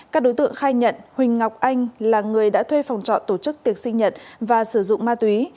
các đối tượng khai nhận huỳnh ngọc anh là người đã thuê phòng trọ tổ chức tiệc sinh nhận và sử dụng ma túy